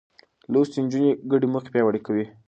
لوستې نجونې ګډې موخې پياوړې کوي.